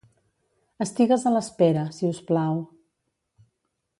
Estigues a l'espera, si us plau.